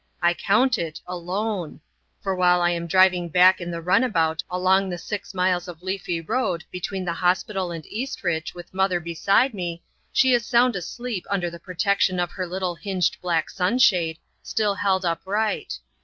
I count it, alone. For while I am driving back in the runabout along the six miles of leafy road between the hospital and Eastridge with mother beside me, she is sound asleep under the protection of her little hinged black sunshade, still held upright.